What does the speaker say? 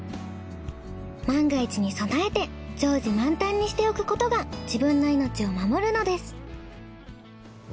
万が一に備えて常時満タンにしておくことが自分の命を守るのです。